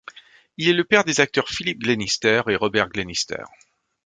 Il est le père des acteurs Philip Glenister et Robert Glenister.